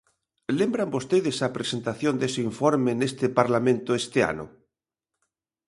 ¿Lembran vostedes a presentación dese informe neste parlamento este ano?